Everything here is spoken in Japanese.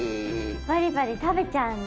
バリバリ食べちゃうんだ。